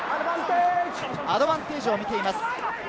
アドバンテージを見ています。